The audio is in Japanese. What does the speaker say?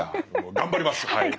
頑張りますはい。